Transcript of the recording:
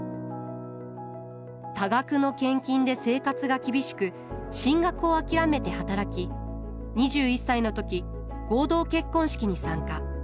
多額の献金で生活が厳しく進学を諦めて働き２１歳の時合同結婚式に参加。